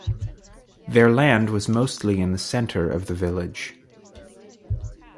Their land was mostly in the centre of the village.